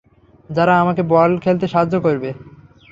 যারা আমাকে বল খেলতে সাহায্য করবে।